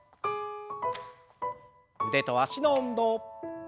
腕と脚の運動。